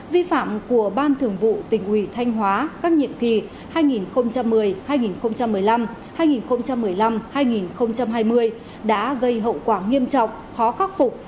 vi phạm của ban thường vụ tỉnh ủy thanh hóa các nhiệm kỳ hai nghìn một mươi hai nghìn một mươi năm hai nghìn một mươi năm hai nghìn hai mươi đã gây hậu quả nghiêm trọng khó khắc phục